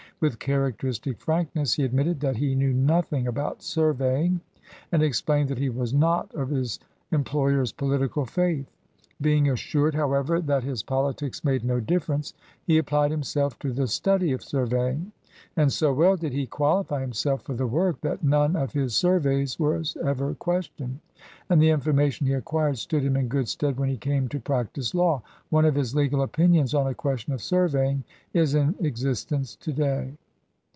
With characteristic frank ness he admitted that he knew nothing about sur veying, and explained that he was not of his employer's political faith. Being assured, how ever, that his politics made no difference, he applied himself to the study of surveying, and so well did he qualify himself for the work that none of his surveys was ever questioned, and the information he acquired stood him in good stead when he came to practice law. One of his legal opinions on a question of surveying is in existence to day.